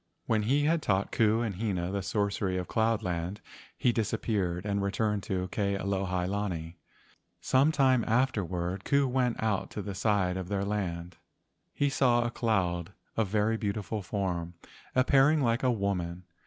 When he had taught Ku and Hina the sorcery of cloud land, he disappeared and returned to Ke alohi lani. Some time afterward, Ku went out to the side of their land. He saw a cloud of very beautiful form, appearing like a woman.